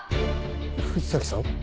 藤崎さん？